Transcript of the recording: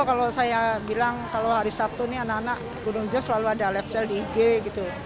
kalau saya bilang kalau hari sabtu ini anak anak gunung jos selalu ada lapsel di ig gitu